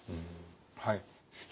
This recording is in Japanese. はい。